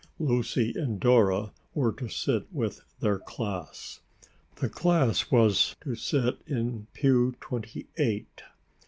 Lucy and Dora were to sit with their class. The class was to sit in pew twenty eight.